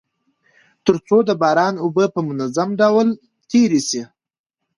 تر څو د باران اوبه په منظم ډول تيري سي.